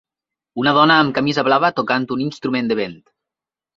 Una dona amb camisa blava tocant un instrument de vent.